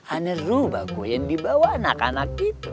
ada rumah gue yang dibawa anak anak gitu